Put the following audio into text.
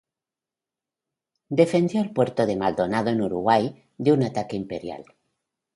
Defendió el puerto de Maldonado en Uruguay de un ataque imperial.